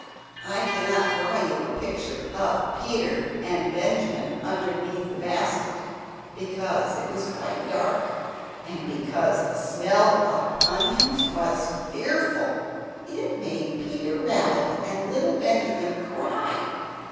I cannot draw you a picture of Peter and Benjamin underneath the basket, because it was quite dark, and because the smell of onions was fearful; it made Peter Rabbit and little Benjamin cry.